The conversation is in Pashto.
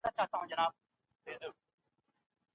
په بازار کي باید درغلي نه وي.